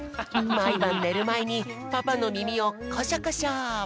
まいばんねるまえにパパのみみをこしょこしょ。